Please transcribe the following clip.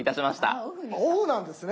そうなんです